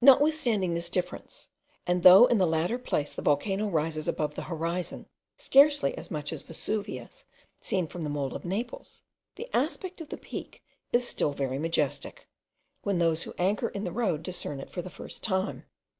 Notwithstanding this difference, and though in the latter place the volcano rises above the horizon scarcely as much as Vesuvius seen from the mole of Naples, the aspect of the peak is still very majestic, when those who anchor in the road discern it for the first time.